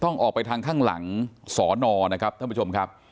ต้องออกไปทางข้างหลังสอนอนะครับท่านผู้ชมครับ